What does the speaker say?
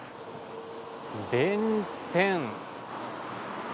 弁天。